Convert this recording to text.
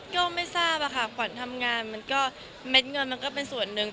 ก็ไม่ทราบอะค่ะขวัญทำงานมันก็เม็ดเงินมันก็เป็นส่วนหนึ่ง